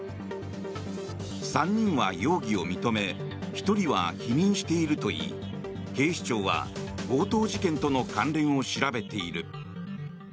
３人は容疑を認め１人は否認しているといい警視庁は強盗事件との関連を調べている。